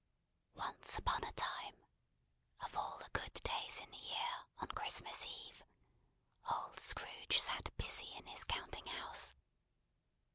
Once upon a time of all the good days in the year, on Christmas Eve old Scrooge sat busy in his counting house.